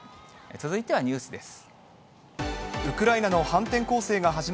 続いてはニュースです。